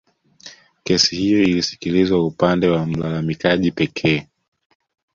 Kesi hiyo ilisikilizwa upande wa mlalamikaji pekee